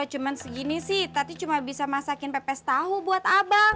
ya motivate man seginis targeted cuma bisa masakin peasis tahu buat abang